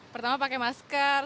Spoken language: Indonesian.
pertama pakai masker